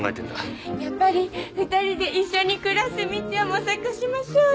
やっぱり二人で一緒に暮らす道を模索しましょうよ！